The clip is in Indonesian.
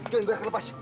jangan biarkan lepas